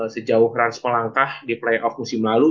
sejauh rans melangkah di playoff musim lalu